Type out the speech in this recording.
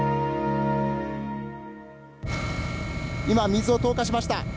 今水を投下しました。